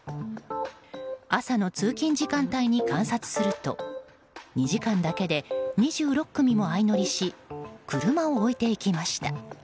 朝の通勤時間帯に観察すると２時間だけで２６組も相乗りし車を置いていきました。